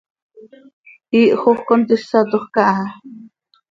Iihjoj contísatoj caha.